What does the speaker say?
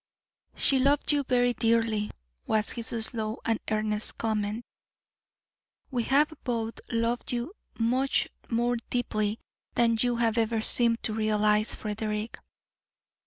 "She loved you very dearly," was his slow and earnest comment. "We have both loved you much more deeply than you have ever seemed to realise, Frederick."